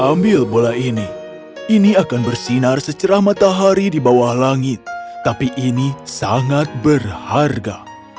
ambil bola ini ini akan bersinar secerah matahari di bawah langit tapi ini sangat berharga